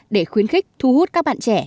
để khuyến khích thu hút các bạn trẻ